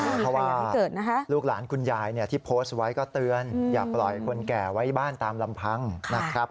เพราะว่าลูกหลานคุณยายที่โพสต์ไว้ก็เตือนอย่าปล่อยคนแก่ไว้บ้านตามลำพังนะครับ